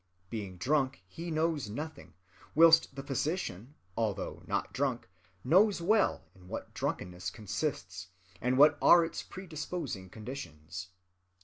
Being drunk, he knows nothing; whilst the physician, although not drunk, knows well in what drunkenness consists, and what are its predisposing conditions.